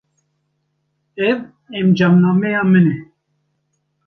Ev encamnameya min e.